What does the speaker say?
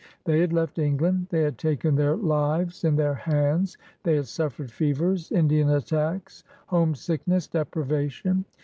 They had left England; they had taken their lives in their hands; they had suffered fevers, Indian attacks, homesickness, deprivation.